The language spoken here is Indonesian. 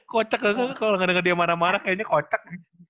kocak kan kalo ga denger dia marah marah kayaknya kocak